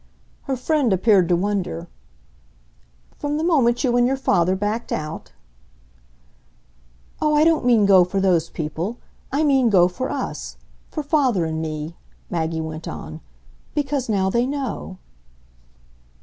Her friend appeared to wonder. "From the moment you and your father backed out?" "Oh, I don't mean go for those people; I mean go for us. For father and me," Maggie went on. "Because now they know."